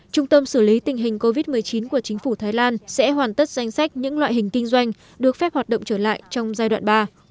trung tâm xử lý tình hình covid một mươi chín của chính phủ thái lan sẽ hoàn tất danh sách những loại hình kinh doanh được phép hoạt động trở lại trong giai đoạn ba